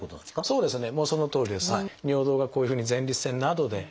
そうですね。